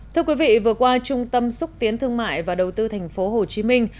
thưa quý vị vừa qua trung tâm xúc tiến thương mại và đầu tư thành phố hồ chí minh